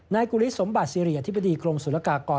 นายกุฤษสมบัติซีเรียอธิบดีกรงสุรกากร